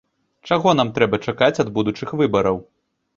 Чаго нам трэба чакаць ад будучых выбараў?